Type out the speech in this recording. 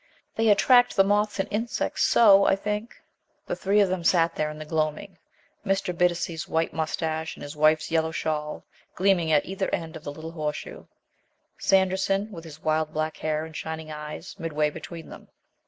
"They attract the moths and insects so, I think!" The three of them sat there in the gloaming. Mr. Bittacy's white moustache and his wife's yellow shawl gleaming at either end of the little horseshoe, Sanderson with his wild black hair and shining eyes midway between them.